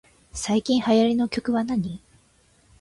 最近流行りの曲はなに